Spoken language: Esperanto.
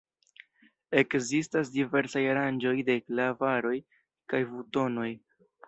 Ekzistas diversaj aranĝoj de klavaroj kaj butonoj.